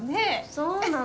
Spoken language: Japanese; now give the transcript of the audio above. そうなの。